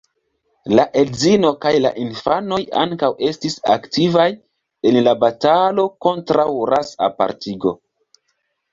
La edzino kaj la infanoj ankaŭ estis aktivaj en la batalo kontraŭ ras-apartigo.